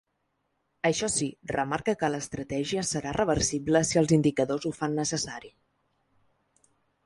Això sí, remarca que l’estratègia serà reversible si els indicadors ho fan necessari.